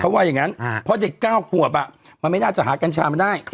ว่าอย่างนั้นเพราะเด็ก๙ขวบมันไม่น่าจะหากัญชามาได้